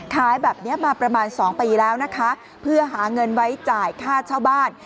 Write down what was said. ขายแบบนี้มาประมาณ๒ปีแล้วนะคะเพื่อหาเงินไว้จ่ายค่าเช่าบ้าน